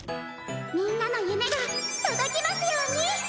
みんなの夢が届きますように！